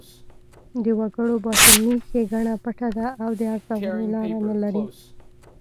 د وګړو باطني ښېګڼه پټه ده او د ارزونې لاره نه لري.